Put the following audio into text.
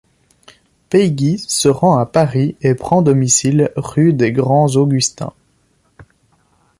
Paigis se rend à Paris et prend domicile rue des Grands-Augustins.